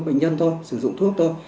bệnh nhân thôi sử dụng thuốc thôi